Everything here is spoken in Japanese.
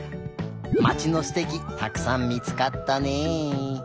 まちのすてきたくさん見つかったね。